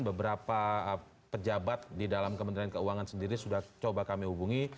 beberapa pejabat di dalam kementerian keuangan sendiri sudah coba kami hubungi